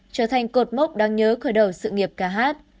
trở thành cột mốc đáng nhớ khởi đầu sự nghiệp ca hát